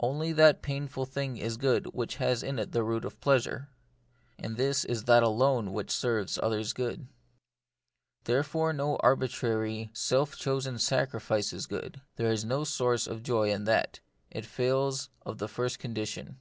Only that painful thing is good which has in it the root of pleasure. And this is that alone which serves others' good. Therefore no arbitrary, self chosen sacrifice is good ; there is no source of joy in that ; it fails of the first condition.